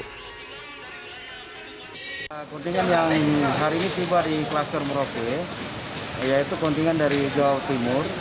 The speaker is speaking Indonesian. kontingen yang hari ini tiba di kluster merauke yaitu kontingen dari jawa timur